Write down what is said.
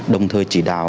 đồng thời chỉ đào